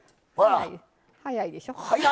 早いでしょ。